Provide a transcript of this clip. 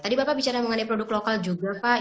tadi bapak bicara mengenai produk lokal juga pak